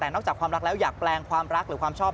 แต่นอกจากความรักแล้วอยากแปลงความรักหรือความชอบ